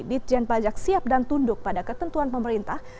ditjen pajak siap dan tunduk pada ketentuan pemerintah